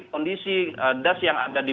kondisi das yang ada di